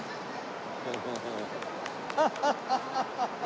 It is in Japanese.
ハハハハ！